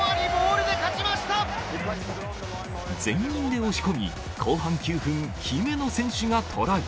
全員で押し込み、後半９分、姫野選手がトライ。